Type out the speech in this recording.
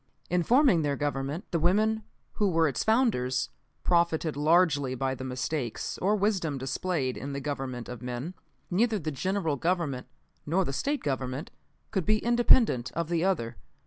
"In forming their Government, the women, who were its founders, profited largely by the mistakes or wisdom displayed in the Government of men. Neither the General Government, nor the State Government, could be independent of the other.